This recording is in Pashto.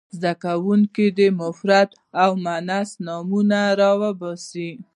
زده کوونکي دې مفرد او مؤنث نومونه را وباسي.